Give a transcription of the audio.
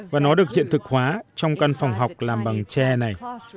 và nó được hiện thực hóa trong căn phòng học làm bằng tre này